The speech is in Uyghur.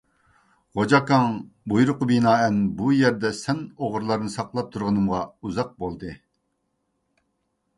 غوجا ئاكاڭ، بۇيرۇققا بىنائەن بۇ يەردە سەن ئوغرىلارنى ساقلاپ تۇرغىنىمغا ئۇزاق بولدى!